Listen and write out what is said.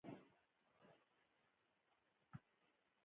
ډاګلاس دې موضوع ته هم اشارې کړې وې